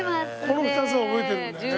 この２つは覚えてるんだよね。